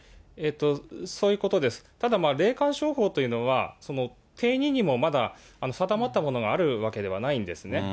ただ、霊感商法というのは、定義にもまだ定まったものがあるわけではないんですね。